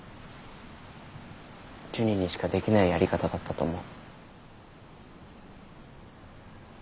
ジュニにしかできないやり方だったと思う。